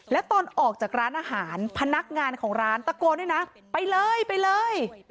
แล้วตอนออกจากร้านอาหารพนักงานของร้านตะโกนด้วยนะไปเลยไปเลย